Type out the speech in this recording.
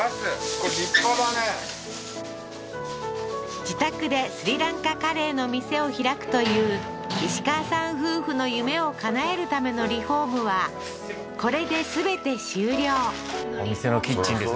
これ立派だね自宅でスリランカカレーの店を開くという石川さん夫婦の夢をかなえるためのリフォームはこれで全て終了お店のキッチンですね